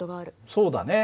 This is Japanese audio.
そうだね。